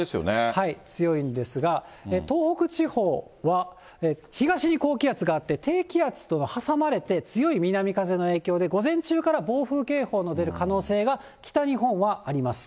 強いんですが、東北地方は、東に高気圧があって、低気圧とに挟まれて、強い南風の影響で、午前中から暴風警報の出る可能性が、北日本はあります。